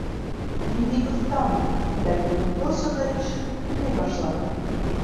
Мин бик оҫтамын, ләкин һуңғы осорҙа кеше күп килмәй башланы.